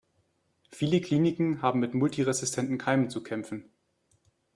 Viele Kliniken haben mit multiresistenten Keimen zu kämpfen.